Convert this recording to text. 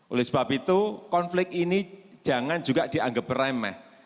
oleh sebab itu konflik ini jangan juga dianggap remeh